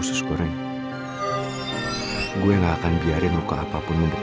tapi gue gak akan biarin siapa pun nyakitin lo